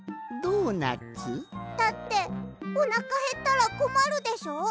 だっておなかへったらこまるでしょ？